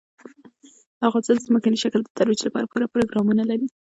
افغانستان د ځمکني شکل د ترویج لپاره پوره پروګرامونه لري.